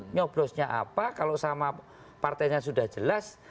nyobrosnya apa kalau sama partainya sudah jelas